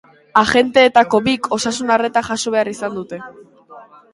Agenteetako bik osasun arreta jaso behar izan dute.